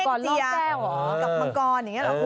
กับมังกรอย่างนี้หรอคุณ